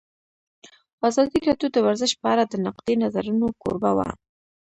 ازادي راډیو د ورزش په اړه د نقدي نظرونو کوربه وه.